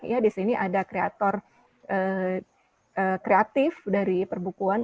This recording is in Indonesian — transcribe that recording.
ya di sini ada kreator kreatif dari perbukuan